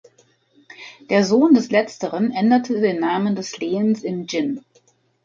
Der Sohn des letzteren änderte den Namen des Lehens in Jin.